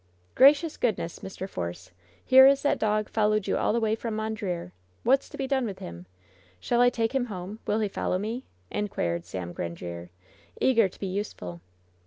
"Gracious goodness, Mr. Force! Here is that dog followed you ajl the way from Mondreer ! What's to be done with him ? Shall I take him home ? Will he fol low me ?" inquired Sam Grandiere, eager to be useful.